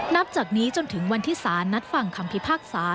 นับจากนี้จนถึงวันที่สารนัดฟังคำพิพากษา